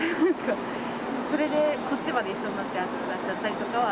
それでこっちまで一緒になって暑くなっちゃったりとかは。